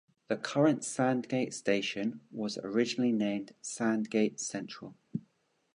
The current Sandgate station was originally named Sandgate Central.